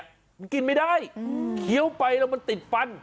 มันกินไม่ได้เคี้ยวไปแล้วมันติดฟัน